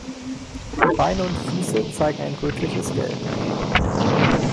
Die Beine und Füße zeigen ein rötliches gelb.